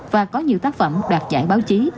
và có nhiều tác phẩm đạt giải báo chí